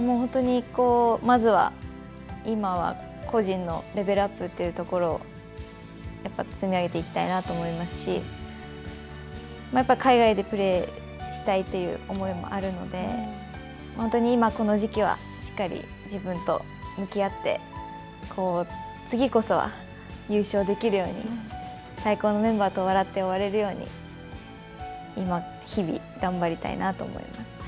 まずは今は個人のレベルアップというところをやっぱり積み上げていきたいなと思いますし海外でプレーしたいという思いもあるので今、この時期はしっかり自分と向き合って次こそは優勝できるように最高のメンバーと笑って終われるように今、日々頑張りたいなと思います。